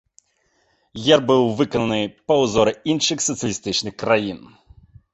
Герб быў выкананы па ўзоры іншых сацыялістычных краін.